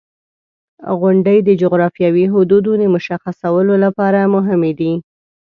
• غونډۍ د جغرافیوي حدودو د مشخصولو لپاره مهمې دي.